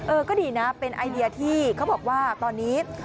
ก็ดีนะเป็นไอเดียที่เขาบอกว่าตอนนี้